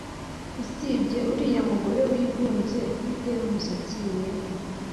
Usibye uriya mugore wigunze ufite umusatsi wera